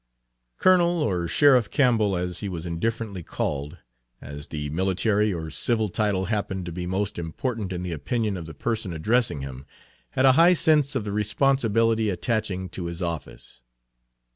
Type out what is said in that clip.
Colonel or Sheriff Campbell, as he was indifferently called, as the military or civil title happened to be most important in the opinion of the person addressing him, had a high sense of the responsibility attaching to his office.